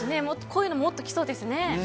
こういうのもっときそうですね。